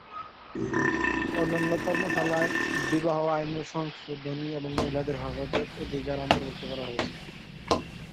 অন্যান্য কর্মশালায় বিবাহ আইনের সংশোধনী এবং মহিলাদের হেফাজত অধিকার অন্তর্ভুক্ত করা হয়েছে।